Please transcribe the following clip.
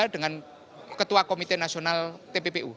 dengan ketua komite nasional tppu